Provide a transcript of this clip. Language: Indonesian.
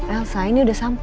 elsa ini udah sampe